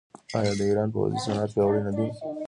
آیا د ایران پوځي صنعت پیاوړی نه دی؟